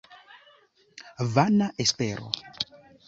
Vana espero!